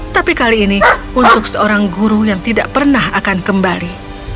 tapi kali ini untuk seorang guru yang tidak pernah akan kembali